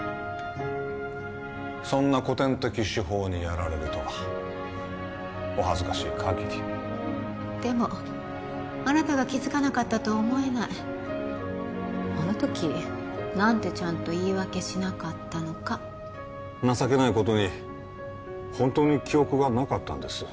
そんな古典的手法にやられるとはお恥ずかしいかぎりでもあなたが気づかなかったとは思えないあの時何でちゃんと言い訳しなかったのか情けないことに本当に記憶がなかったんです